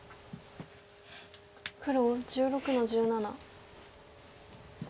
黒１６の十七。